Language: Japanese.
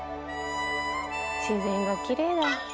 自然がきれいだ。